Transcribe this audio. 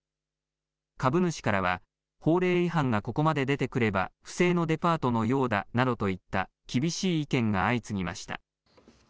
株主からは法令違反が、ここまで出てくれば不正のデパートのようだなどといった厳しい意見が相次ぎました。